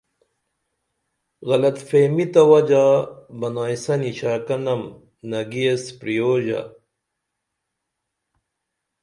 غلط فہمی تہ وجا بنائیں سنی شعکہ نم نگی ایس پریوژہ